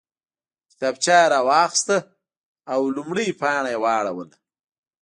کتابچه یې راواخیسته او لومړۍ پاڼه یې واړوله